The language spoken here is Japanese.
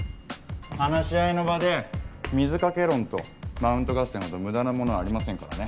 話し合いの場で水掛け論とマウント合戦ほど無駄なものはありませんからね。